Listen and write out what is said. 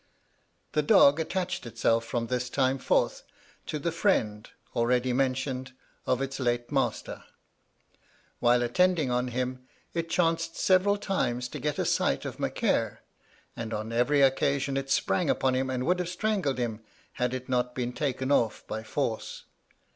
The dog attached itself from this time forth to the friend, already mentioned, of its late master. While attending on him, it chanced several times to get a sight of Macaire, and on every occasion it sprang upon him, and would have strangled him had it not been taken off by force.